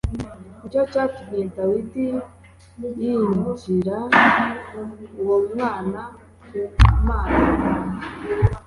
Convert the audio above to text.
Ni cyo cyatumye Dawidi yingingira uwo mwana ku Mana